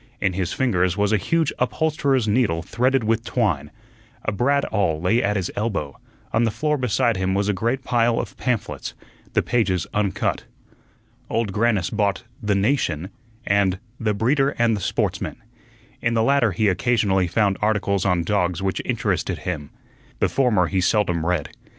In his fingers was a huge upholsterer's needle threaded with twine, a brad awl lay at his elbow, on the floor beside him was a great pile of pamphlets, the pages uncut. Old Grannis bought the "Nation" and the "Breeder and Sportsman." In the latter he occasionally found articles on dogs which interested him. The former he seldom read.